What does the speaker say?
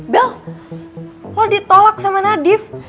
bel lo ditolak sama nadif